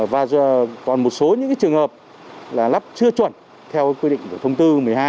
và còn một số những trường hợp là lắp chưa chuẩn theo quy định của thông tư một mươi hai